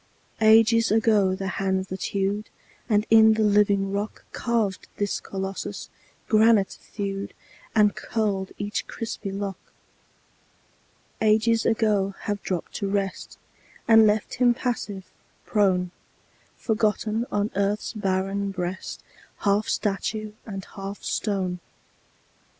Ages ago the hands that hewed, And in the living rock Carved this Colossus, granite thewed And curled each crispy lock: Ages ago have dropped to rest And left him passive, prone, Forgotten on earth's barren breast, Half statue and half stone.